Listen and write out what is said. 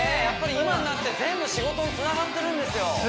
やっぱり今になって全部仕事につながってるんですよ